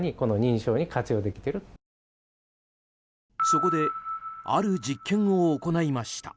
そこである実験を行いました。